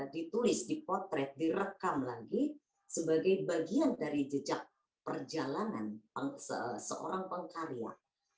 ditulis dipotret direkam lagi sebagai bagian dari jejak perjalanan seorang pengkarya